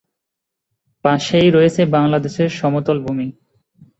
পাশেই রয়েছে বাংলাদেশের সমতল ভূমি।